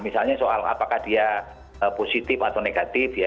misalnya soal apakah dia positif atau negatif ya